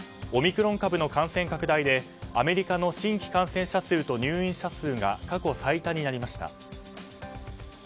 オミクロン株の感染拡大でアメリカの新規感染者数と入院者数が過去最多になりました。